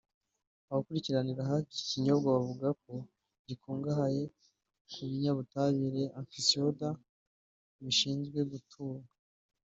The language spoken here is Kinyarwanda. Abakunze gukurikiranira hafi iki kinyobwa bavuga ko gikungahaye ku binyabutabire(Antioxidant) bishinzwe gutunga